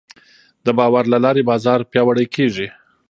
د باور له لارې بازار پیاوړی کېږي.